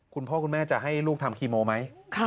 คุณพ่อคุณแม่จะให้ลูกทำคีโมไหม